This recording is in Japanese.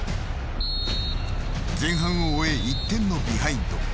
前半を終え、１点のビハインド。